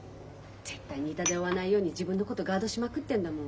絶対に痛手を負わないように自分のことガードしまくってんだもん